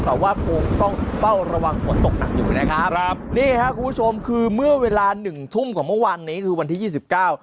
แต่ว่าคงต้องเฝ้าระวังฝนตกหนักอยู่นะครับครับนี่ครับคุณผู้ชมคือเมื่อเวลาหนึ่งทุ่มของเมื่อวานนี้คือวันที่ยี่สิบเก้า